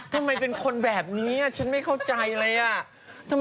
ทำไมเป็นคนแบบนี้ฉันไม่เข้าใจเลยอ่ะ